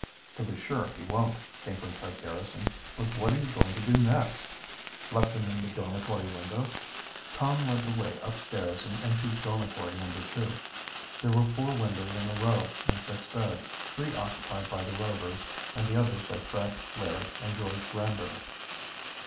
"To be sure he won't," came from Fred Garrison. "But what are you going to do next?" "Let them in the dormitory window." Tom led the way upstairs and into Dormitory No. 2. There were four windows in a row, and six beds, three occupied by the Rovers and the others by Fred, Larry, and George Granbury.